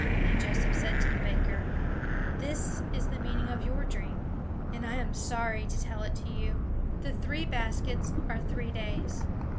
And Joseph said to the baker: "This is the meaning of your dream, and I am sorry to tell it to you. The three baskets are three days.